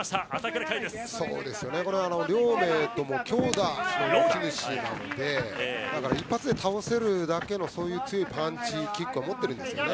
これは両名とも強打の持ち主なので一発で倒せるだけの強いパンチ、キックを持っているんですね。